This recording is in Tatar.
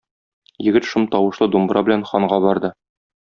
Егет шом тавышлы думбра белән ханга барды.